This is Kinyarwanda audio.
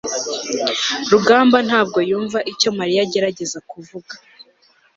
rugamba ntabwo yumva icyo mariya agerageza kuvuga